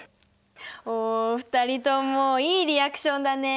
おお２人ともいいリアクションだね。